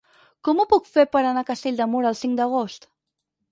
Com ho puc fer per anar a Castell de Mur el cinc d'agost?